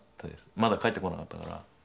まだ帰ってこなかったから。